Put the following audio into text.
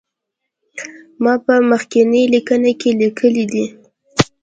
ما په مخکینی لیکنه کې لیکلي دي.